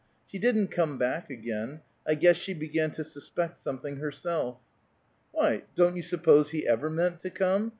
She didn't come back again; I guess she began to suspect something herself." "Why, don't you suppose he ever meant to come?"